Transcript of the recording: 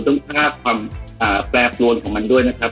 ต้องท่าความแปลกรวมของมันด้วยนะครับ